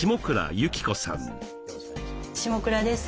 下倉です。